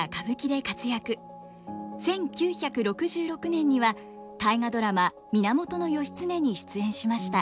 １９６６年には「大河ドラマ源義経」に出演しました。